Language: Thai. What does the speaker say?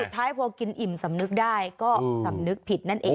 ท้ายพอกินอิ่มสำนึกได้ก็สำนึกผิดนั่นเอง